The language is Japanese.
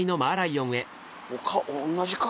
顔同じか？